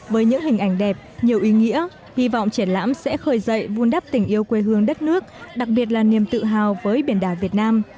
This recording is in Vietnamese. với những hình ảnh đẹp nhiều ý nghĩa hy vọng triển lãm sẽ khởi dậy vun đắp tình yêu quê hương đất nước đặc biệt là niềm tự hào với biển đảo việt nam